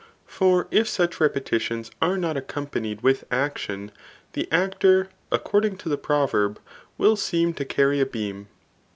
For if snch repetitions are not accompanied with action, the actor [according to the proverb,] will seem to carry a beam.